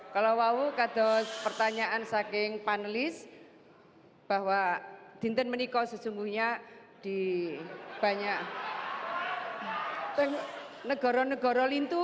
kalau tahu pertanyaan dari panelis bahwa meniko sebenarnya di banyak negara negara itu